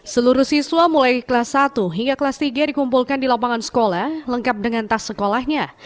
seluruh siswa mulai kelas satu hingga kelas tiga dikumpulkan di lapangan sekolah lengkap dengan tas sekolahnya